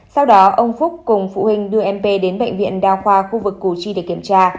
sau đó ông phúc cùng phụ huynh đưa mp đến bệnh viện đao khoa khu vực củ chi để kiểm tra